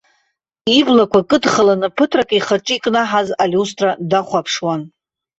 Иблақәа кыдхаланы ԥыҭрак ихаҿы икнаҳаз алиустра дахәаԥшуан.